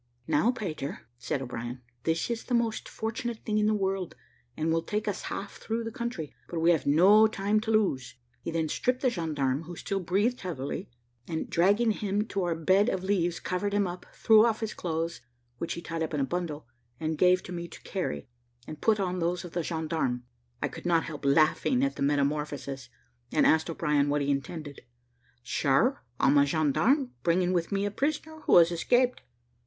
"Now, Peter," said O'Brien, "this is the most fortunate thing in the world, and will take us half through the country; but we have no time to lose." He then stripped the gendarme, who still breathed heavily, and dragging him to our bed of leaves, covered him up, threw off his own clothes, which he tied up in a bundle, and gave to me to carry, and put on those of the gendarme. I could not help laughing at the metamorphosis, and asked O'Brien what he intended. "Sure, I'm a gendarme, bringing with me a prisoner, who has escaped."